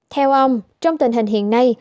theo ông trong tình hình hiện nay